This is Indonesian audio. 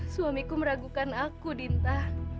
suamiku meragukan aku dinta